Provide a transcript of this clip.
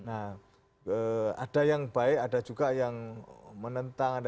nah ada yang baik ada juga yang menentang